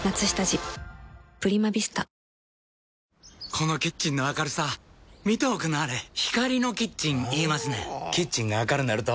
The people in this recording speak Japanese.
このキッチンの明るさ見ておくんなはれ光のキッチン言いますねんほぉキッチンが明るなると・・・